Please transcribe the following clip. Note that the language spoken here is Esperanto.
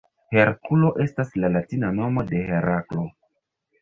Herkulo estas la latina nomo de Heraklo.